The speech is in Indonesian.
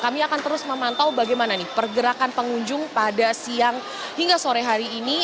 kami akan terus memantau bagaimana pergerakan pengunjung pada siang hingga sore hari ini